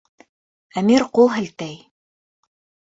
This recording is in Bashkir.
Әмир ҡул һелтәй.